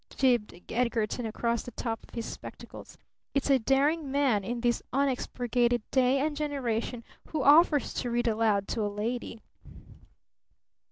gibed Edgarton across the top of his spectacles. "It's a daring man, in this unexpurgated day and generation, who offers to read aloud to a lady."